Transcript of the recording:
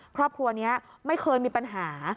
ครอบครัวนี้ไม่เคยมีปัญหา